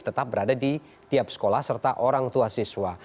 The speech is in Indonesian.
tetap berada di tiap sekolah serta orang tua siswa